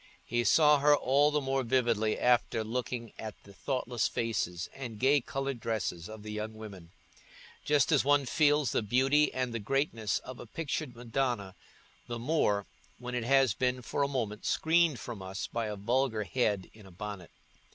He saw her all the more vividly after looking at the thoughtless faces and gay coloured dresses of the young women—just as one feels the beauty and the greatness of a pictured Madonna the more when it has been for a moment screened from us by a vulgar head in a bonnet.